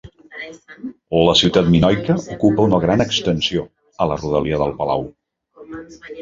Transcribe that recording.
La ciutat minoica ocupa una gran extensió, a la rodalia del palau.